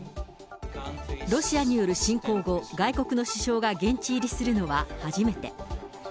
ロシアによる侵攻後、外国の首相が現地入りするのは初めて。